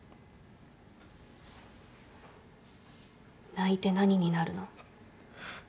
泣いて何になるの？